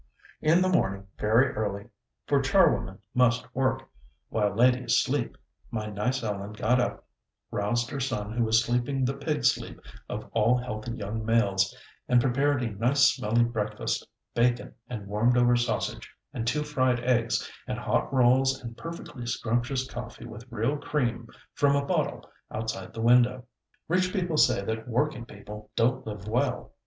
In the morning very early, for charwomen must work, while ladies sleep, my nice Ellen got up, roused her son who was sleeping the pig sleep of all healthy young males, and prepared a nice, smelly breakfast bacon and warmed over sausage, and two fried eggs, and hot rolls and perfectly scrumptious coffee with real cream from a bottle outside the window. Rich people say that working people don't live well.